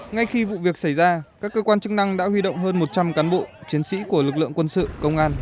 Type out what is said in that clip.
ngay khi vụ việc xảy ra các cơ quan chức năng đã huy động hơn một trăm linh cán bộ chiến sĩ của lực lượng quân sự công an